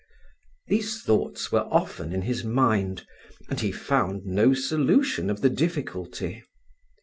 These thoughts were often in his mind, and he found no solution of the difficulty.